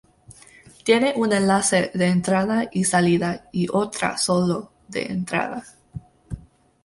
Tiene un enlace de entrada y salida y otra solo de entrada.